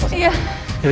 kita kesana sa